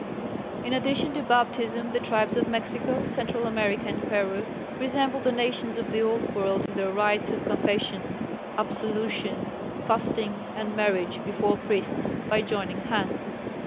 In addition to baptism, the tribes of Mexico, Central America and Peru resembled the nations of the old world in their rites of confession, absolution, fasting, and marriage before priests by joining hands.